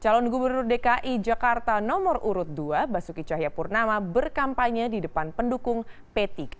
calon gubernur dki jakarta nomor urut dua basuki cahayapurnama berkampanye di depan pendukung p tiga